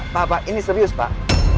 pak ini serius pak